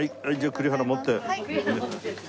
「栗原持って」。